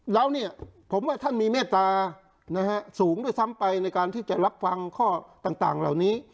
แล้วเนี่ยผมว่าท่านมีเมตตาสูงด้วยซ้ำไปในการที่จะรับฟังข้อต่างเหล่านี้